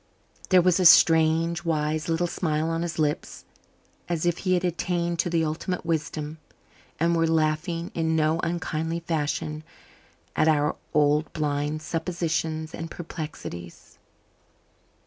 There was a strange, wise little smile on his lips as if he had attained to the ultimate wisdom and were laughing in no unkindly fashion at our old blind suppositions and perplexities.